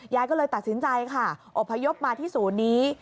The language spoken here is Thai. ยายก็เลยตัดสินใจค่ะอบพยพมาที่ศูนย์นี้